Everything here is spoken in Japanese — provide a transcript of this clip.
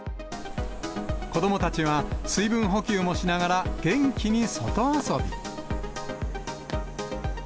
子どもたちは、水分補給もしながら元気に外遊び。